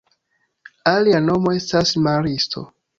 Alia nomo estas maristo.